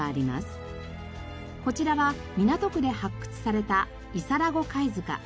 こちらは港区で発掘された伊皿子貝塚。